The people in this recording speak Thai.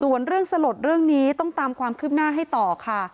ส่วนเรื่องสลดเรื่องนี้ต้องตามความคืบหน้าให้ต่อค่ะ